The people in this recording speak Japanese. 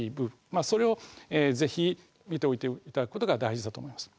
それを是非見ておいていただくことが大事だと思います。